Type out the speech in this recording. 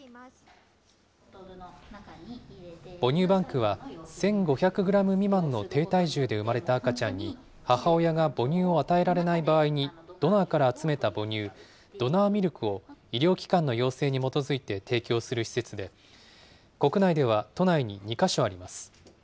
母乳バンクは、１５００グラム未満の低体重で産まれた赤ちゃんに母親が母乳を与えられない場合に、ドナーから集めた母乳、ドナーミルクを医療機関の要請に基づいて提供する施設で、国内では都内に２か所あります。